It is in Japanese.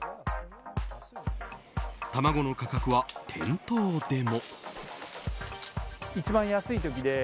卵の価格は店頭でも。